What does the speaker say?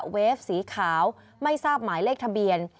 เฟฟสีขาวไม่ทราบหมายเลขทะเบียน